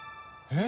え？